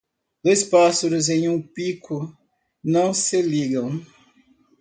Dois pássaros em um pico não se ligam.